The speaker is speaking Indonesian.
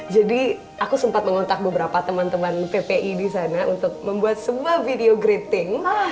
jadi aku sempat mengontak beberapa teman teman ppi di sana untuk membuat sebuah video greeting